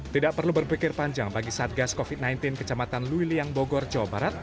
tidak perlu berpikir panjang bagi satgas covid sembilan belas kecamatan luiliang bogor jawa barat